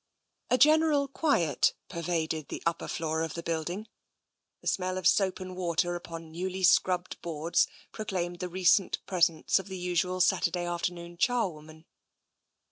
A general quiet pervaded the upper floor of the building; the smell of soap and water upon newly scrubbed boards proclaimed the recent presence of the usual Saturday afternoon charwoman.